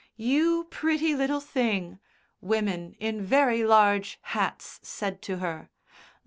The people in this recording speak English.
"You pretty little thing," women in very large hats said to her.